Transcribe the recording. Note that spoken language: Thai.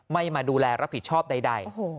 มาดูแลรับผิดชอบใด